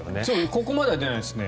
ここまでは出ないですね。